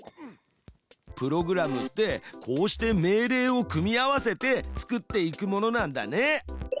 プログラムってこうして命令を組み合わせて作っていくものなんだね。